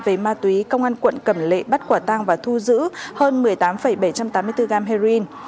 về ma túy công an quận cẩm lệ bắt quả tang và thu giữ hơn một mươi tám bảy trăm tám mươi bốn gram heroin